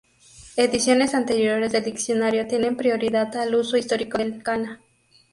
Ediciones anteriores del diccionario tienen prioridad al uso histórico del kana.